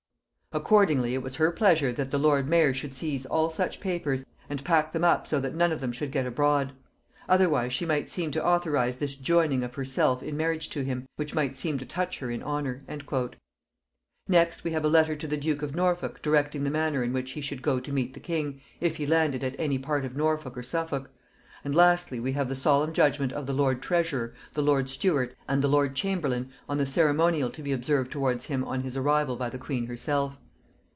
Accordingly it was her pleasure that the lord mayor should seize all such papers, and pack them up so that none of them should get abroad. Otherwise she might seem to authorize this joining of herself in marriage to him, which might seem to touch her in honor." Next we have a letter to the duke of Norfolk directing the manner in which he should go to meet the king, if he landed at any part of Norfolk or Suffolk: and lastly, we have the solemn judgement of the lord treasurer, the lord steward, and the lord chamberlain, on the ceremonial to be observed towards him on his arrival by the queen herself.